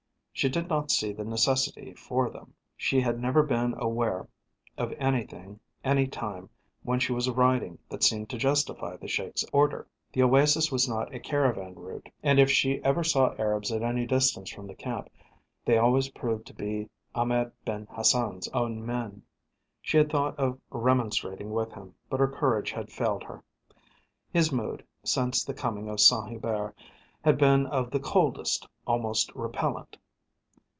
She did not see the necessity for them. She had never been aware of anything any time when she was riding that seemed to justify the Sheik's order. The oasis was not on a caravan route, and if she ever saw Arabs at any distance from the camp they always proved to be Ahmed Ben Hassan's own men. She had thought of remonstrating with him, but her courage had failed her. His mood, since the coming of Saint Hubert, had been of the coldest almost repellant.